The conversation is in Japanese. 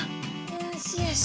よーしよし。